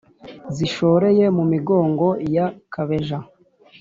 zishoreye mu migongo ya kabeja.